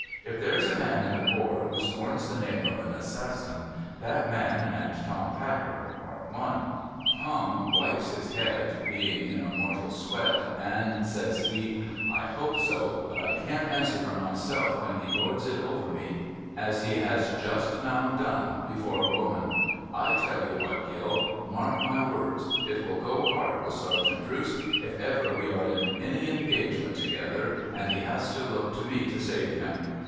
If there's a man in the corps who scorns the name of an assassin, that man and Tom Packer are one.' 154 PERILS OF CERTAIN ENGLISH PRISONERS 'I'om wipes his head, being in a mortal sweat, and says he :' I hope so, but I can't answer for myself when he lords it over mc, as he has just now done, before a woman. I tell you what, dill ! Mark my words : It will go hard with Sergeant Drooce, if ever we are in an engagement together, and he has to look to me to save him.